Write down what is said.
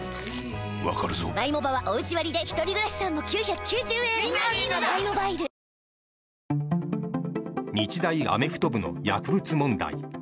わかるぞ日大アメフト部の薬物問題。